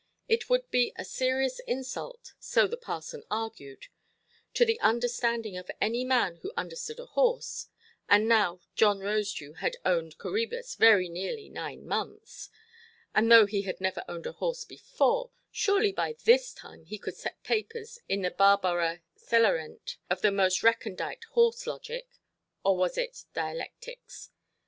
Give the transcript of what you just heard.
It would be a serious insult—so the parson argued—to the understanding of any man who understood a horse, and now John Rosedew had owned Coræbus very nearly nine months, and though he had never owned a horse before, surely by this time he could set papers in the barbara celarent of the most recondite horse–logic—or was it dialectics?